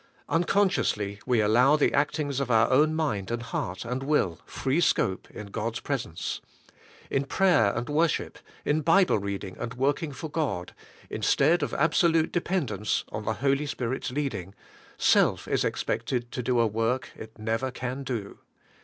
Unconsciously we allow the actings of our own mind and heart and will free scope in God's presence. In prayer and worship, in Bible reading and working for God, instead of absolute dependence on the Holy Spirit's leading, self is expected to do a work it never can do.